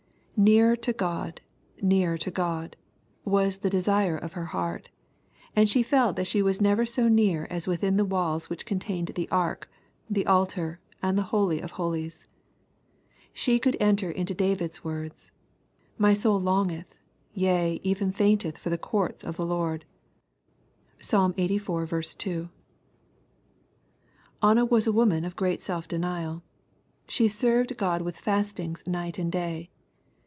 *^ Nearer to God, nearer to God," was the desire of her heart, and she felt that she was never so near as within the walls which contained the ark, the altar, and the holy of holies. She could enter into David's words, " my soul longeth, yea, even fainteth for the courts of the Lord." (Psalm Ixxxiv. 2.) Anna was a woman of great self deniaL She " served God with festings night and day."